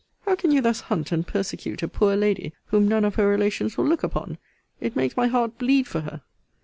How can you thus hunt and persecute a poor lady, whom none of her relations will look upon? It makes my heart bleed for her.